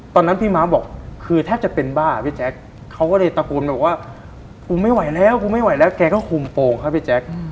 ตอนนั้นพี่ม้าบอกคือแทบจะเป็นบ้าพี่แจ๊คเขาก็เลยตะโกนมาบอกว่ากูไม่ไหวแล้วกูไม่ไหวแล้วแกก็คุมโปรงครับพี่แจ๊ค